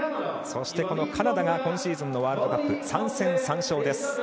そしてカナダが今シーズンのワールドカップ３戦３勝です。